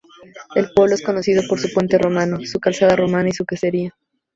El pueblo es conocido por su puente romano, su calzada romana y su quesería.